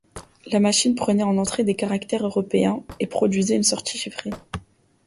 La machine prenait en entrée des caractères européens et produisait une sortie chiffrée.